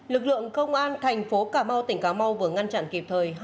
lực lượng công an tp cà mau tỉnh cà mau vừa ngăn chặn kịp thời